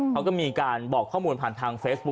เขาก็มีการบอกข้อมูลผ่านทางเฟซบุ๊